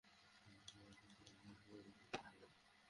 চমক একটু কম, আর কতো চমকাবে?